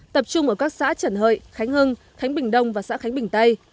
tập trung ở các xã trần hợi khánh hưng khánh bình đông và xã khánh bình tây